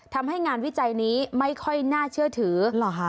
ทำให้งานวิจัยนี้ไม่ค่อยน่าเชื่อถือ